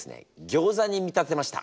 ギョーザに見立てました。